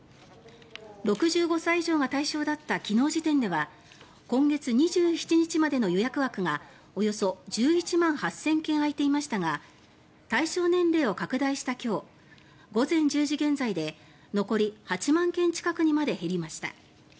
６５歳以上が対象だった昨日時点では今月２７日までの予約枠がおよそ１１万８０００件空いていましたが対象年齢を拡大した今日午前１０時現在で残り８万件近くにまで減りました。